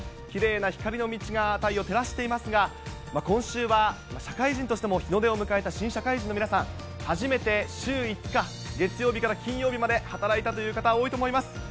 きれいな光の道が太陽照らしていますが、今週は社会人としても日の出を迎えた新社会人の皆さん、初めて週５日、月曜日から金曜日まで働いたという方、多いと思います。